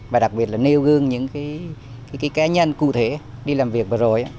và đặc biệt là nêu gương những cá nhân cụ thể đi làm việc vừa rồi